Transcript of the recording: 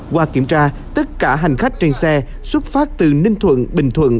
qua kiểm tra tất cả hành khách trên xe xuất phát từ ninh thuận bình thuận